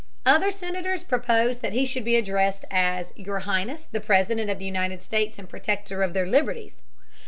Other senators proposed that he should be addressed as "Your Highness, the President of the United States and Protector of their Liberties."